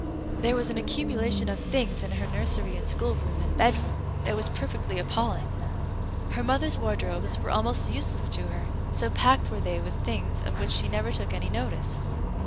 There was an accumulation of things in her nursery and schoolroom and bedroom that was perfectly appalling. Her mother's wardrobes were almost useless to her, so packed were they with things of which she never took any notice.